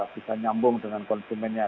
bisa nyambung dengan konsumennya